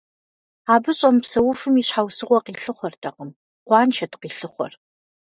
Абы щӏэмыпсэуфым и щхьэусыгъуэ къилъыхъуэртэкъым, къуаншэт къилъыхъуэр.